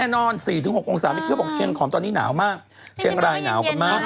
เอาเย็นเขาบอกลงแน่นอน๔๖องศามีเกี๊ยวบอกเชียงขอมตอนนี้หนาวมากเชียงรายหนาวกันมาก